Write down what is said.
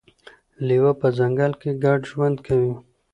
لیوه په ځنګل کې ګډ ژوند کوي.